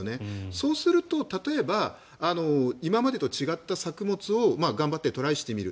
そうすると、例えば今までと違った作物を頑張ってトライしてみる。